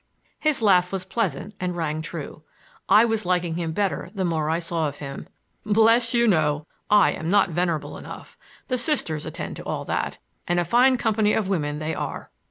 His laugh was pleasant and rang true. I was liking him better the more I saw of him. "Bless you, no! I am not venerable enough. The Sisters attend to all that,—and a fine company of women they are!"